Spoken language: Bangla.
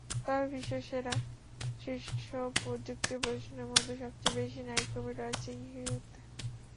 তবে বিশ্বসেরা শীর্ষ প্রযুক্তি প্রতিষ্ঠানের মধ্যে সবচেয়ে বেশি নারী কর্মী রয়েছে ইয়াহুতে।